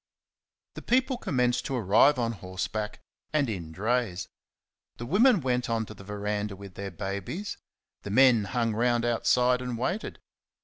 The people commenced to arrive on horseback and in drays. The women went on to the verandah with their babies; the men hung round outside and waited.